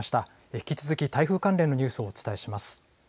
引き続き台風関連のニュースをお伝えします。